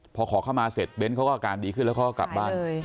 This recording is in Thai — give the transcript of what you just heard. พอขอเข้ามาเสร็จเบ้นเขาก็อาการดีขึ้นแล้วเขาก็กลับบ้าน